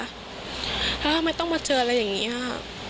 แล้วทำไมต้องมาเจออะไรอย่างนี้